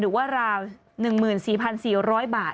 หรือว่าราว๑๔๔๐๐บาท